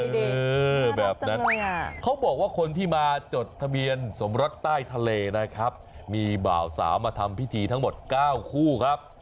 เออแบบนั้นเขาบอกว่าคนที่มาจดทะเบียนสมรสใต้ทะเลนะครับมีบ่าวสาวมาทำพิธีทั้งหมด๙คู่ครับ